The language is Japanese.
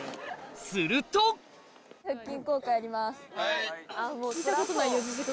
するとはい！